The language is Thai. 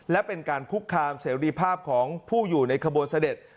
และเป็นการคุกคามเสรีภาพของผู้อยู่ในขบวนเสด็จ